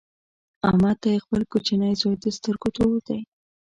احمد ته یې خپل کوچنۍ زوی د سترګو تور دی.